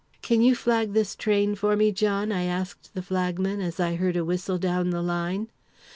"'Can you flag this train for me, John?' I asked the flagman, as I heard a whistle down the line.